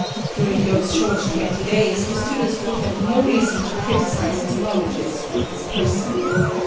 During those short twenty days, the students could have no reason to criticise his knowledges or his person.